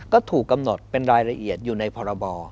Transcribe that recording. ก็ถูกกำหนดเป็นรายละเอียดอยู่ในพรบ